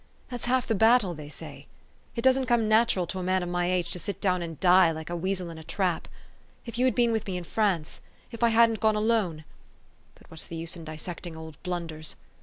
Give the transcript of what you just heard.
That's half the battle, they say. It doesn't come natural to a man of my THE STORY OF AVIS. 389 age to sit down and die, like a weasel in a trap. If you had been with me in France if I hadn't gone alone, but what's the use in dissecting old blunders